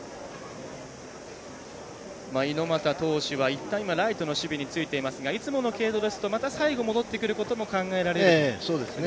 猪俣投手はいったんライトの守備についていますがいつもの継投ですとまた最後、戻ってくることも考えられますね。